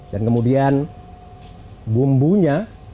dan kemudian bumbunya